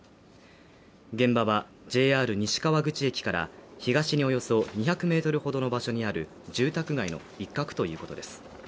現場はＪＲ西川口駅から東におよそ２００ｍほどの場所にある住宅街の一角ということです。